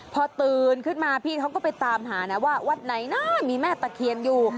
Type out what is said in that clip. พอตื่นขึ้นมาพี่เขาก็ไปตามหานะว่าวัดไหนนะมีแม่ตะเคียนอยู่